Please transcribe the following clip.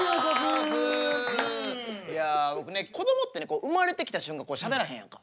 いや僕ねこどもってね生まれてきた瞬間しゃべらへんやんか。